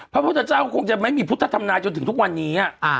พระพุทธเจ้าคงจะไม่มีพุทธธรรมนายจนถึงทุกวันนี้